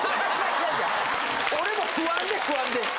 いやいや俺も不安で不安で。